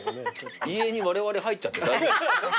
遺影にわれわれ入っちゃって大丈夫？